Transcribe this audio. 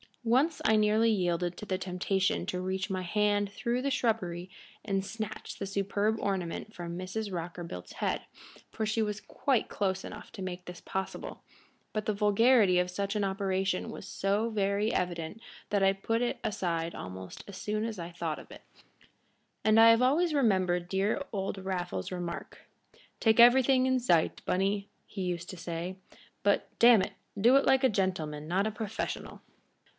Once I nearly yielded to the temptation to reach my hand through the shrubbery and snatch the superb ornament from Mrs. Rockerbilt's head, for she was quite close enough to make this possible, but the vulgarity of such an operation was so very evident that I put it aside almost as soon as thought of. And I have always remembered dear old Raffles's remark, "Take everything in sight, Bunny," he used to say; "but, damn it, do it like a gentleman, not a professional."